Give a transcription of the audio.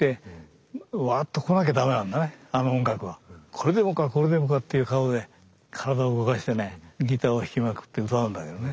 「これでもかこれでもか！」っていう顔で体を動かしてねギターを弾きまくって歌うんだけどね